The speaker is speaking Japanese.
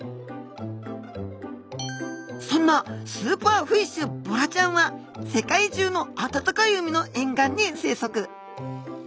そんなスーパーフィッシュボラちゃんは世界中の暖かい海の沿岸に生息。